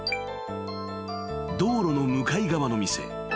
［道路の向かい側の店］